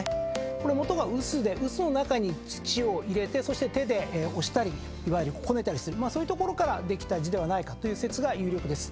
これ元が臼で臼の中に土を入れて手で押したり捏ねたりするそういうところからできた字ではないかという説が有力です。